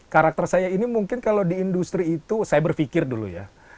karakter saya ini mungkin kalau di industri itu saya berpikir dulu ya